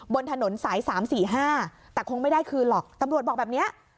บนถนนสาย๓๔๕แต่คงไม่ได้คืนหรอกตำรวจบอกแบบนี้